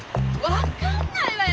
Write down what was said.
分かんないわよ